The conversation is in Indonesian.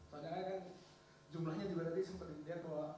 makanya kan jumlahnya juga tadi sempat dilihat